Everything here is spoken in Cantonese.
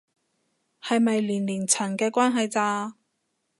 係咪年齡層嘅關係咋